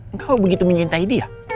enggak begitu menyintai dia